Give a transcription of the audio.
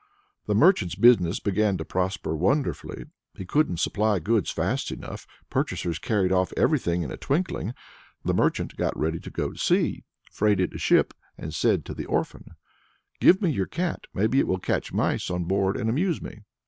That merchant's business began to prosper wonderfully. He couldn't supply goods fast enough; purchasers carried off everything in a twinkling. The merchant got ready to go to sea, freighted a ship, and said to the orphan: "Give me your cat; maybe it will catch mice on board, and amuse me."